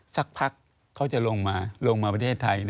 สักพักเขาจะลงมาลงมาประเทศไทย